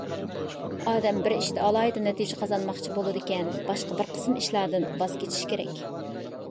ئادەم بىر ئىشتا ئالاھىدە نەتىجە قازانماقچى بولىدىكەن، باشقا بىر قىسىم ئىشلاردىن ۋاز كېچىشى كېرەك.